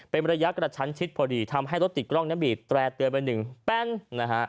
เป็นระยะกระชั้นชิดพอดีทำให้รถติดกล้องน้ำบีดแตร่เตือนไป๑แป้ง